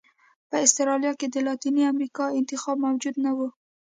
په اسټرالیا کې د لاتینې امریکا انتخاب موجود نه و.